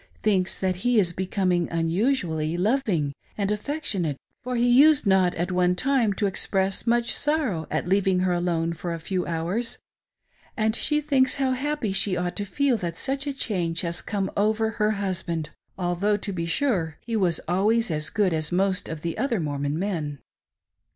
— thinks that he is becoming unusu^ly loving and affectionate, for he used not, at one time, to express much sorrow at leaving her done for a few hours ; and she thinks how happy she ought to feel that such a change has come over her husband, although, to be sure, he was always as good as most of the other Mormon men.